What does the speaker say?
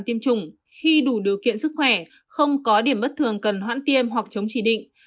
tiêm chủng khi đủ điều kiện sức khỏe không có điểm bất thường cần hoãn tiêm hoặc chống chỉ định